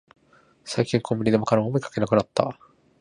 最近コンビニでマカロンを見かけなくなった